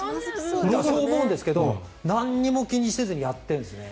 そう思うんですけど何も気にせずにやっているんですね。